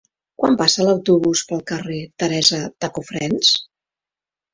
Quan passa l'autobús pel carrer Teresa de Cofrents?